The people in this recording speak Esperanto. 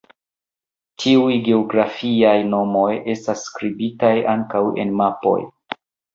Tiuj geografiaj nomoj estas skribitaj ankaŭ en mapoj.